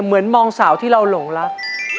เหมือนมองสาวที่เราหลงรัก